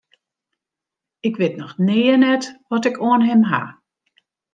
Ik wit noch nea net wat ik oan him haw.